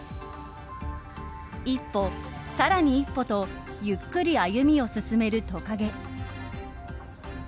一歩、さらに一歩とゆっくり歩みを進めるトカゲ。